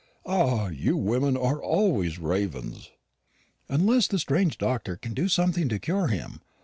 "Ah, you women are always ravens." "Unless the strange doctor can do something to cure him.